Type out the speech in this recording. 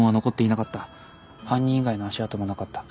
犯人以外の足跡もなかった。